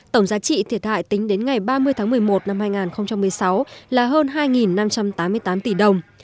tổng giá trị thiệt hại tính đến ngày ba mươi tháng một mươi một năm hai nghìn một mươi sáu là hơn hai năm trăm tám mươi tám tỷ đồng